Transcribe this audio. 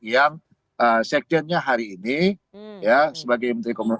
yang sekjennya hari ini ya sebagai menteri komunikasi